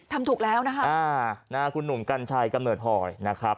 ทำถูกแล้วนะคะคุณหนุ่มกัญชัยกำเนิดหอยนะครับ